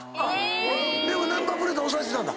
でもナンバープレート押さえてたんだ。